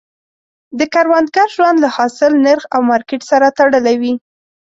د کروندګر ژوند له حاصل، نرخ او مارکیټ سره تړلی وي.